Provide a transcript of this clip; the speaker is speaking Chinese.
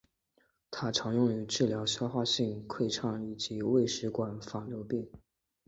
它常用于治疗消化性溃疡以及胃食管反流病。